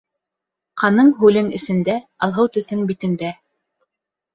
Ҡаның-һүлең эсендә, алһыу төҫөң битендә